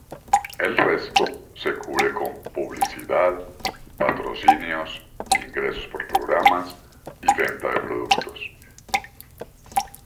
El resto se cubre con publicidad, patrocinios, ingresos por programas y venta de productos.